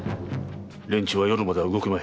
連中は夜までは動くまい。